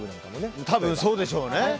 多分そうでしょうね。